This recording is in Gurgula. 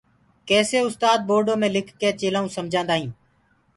ڪيسي اُستآد بورڊو مي لکڪي چيلآئون سمجآدآ هين